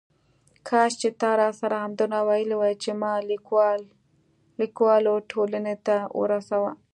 کاش چې تا راسره همدومره ویلي وای چې ما لیکوالو ټولنې ته ورسوه.